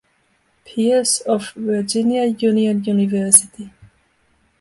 Pierce of Virginia Union University.